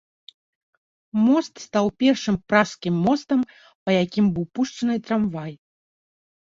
Мост стаў першым пражскім мостам, па якім быў пушчаны трамвай.